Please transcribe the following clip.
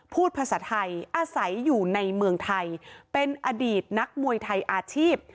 พูดภาษาไทยอาศัยอยู่ในเมืองไทยเป็นอดีตนักมวยไทยอาชีพ